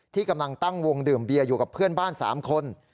ที่กำลังตั้งวงดื่มเบียอยู่กับเพื่อนบ้าน๓คน